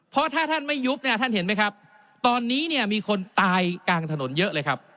เพราะถ้าท่านไม่ยุบเนี่ยท่านเห็นไหมครับตอนนี้เนี่ยมีคนตายกลางถนนเยอะเลยครับ